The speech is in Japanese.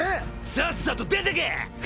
さっさと出てけ！